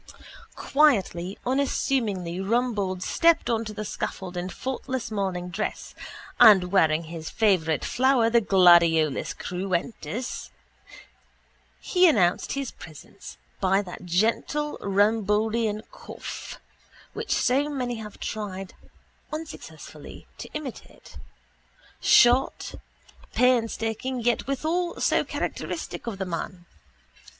Quietly, unassumingly Rumbold stepped on to the scaffold in faultless morning dress and wearing his favourite flower, the Gladiolus Cruentus. He announced his presence by that gentle Rumboldian cough which so many have tried (unsuccessfully) to imitate—short, painstaking yet withal so characteristic of the man.